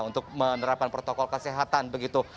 untuk menerapkan protokol kesehatan begitu